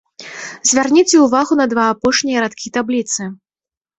Звярніце ўвагу на два апошнія радкі табліцы.